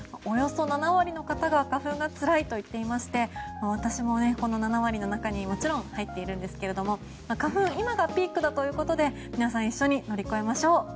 およそ７割の方が花粉がつらいと言っていまして私もこの７割の中にもちろん入っているんですが花粉、今がピークだということで皆さん一緒に乗り越えましょう。